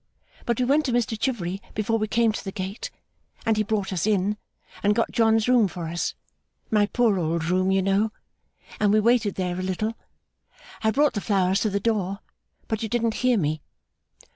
But we went to Mr Chivery before we came to the gate, and he brought us in, and got John's room for us my poor old room, you know and we waited there a little. I brought the flowers to the door, but you didn't hear me.